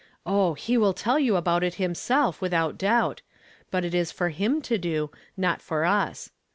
Oh! he will tell you about it himself, without doubt ; but it is for him to do, not for us.